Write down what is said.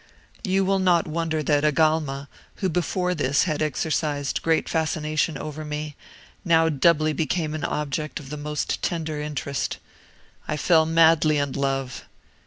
"You will not wonder that Agalma, who before this had exercised great fascination over me, now doubly became an object of the most tender interest. I fell madly in love.